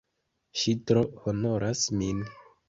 Ŝi tro honoras min!